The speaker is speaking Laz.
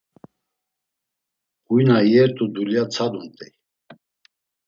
Huy na iyert̆u dulya tsadumt̆ey.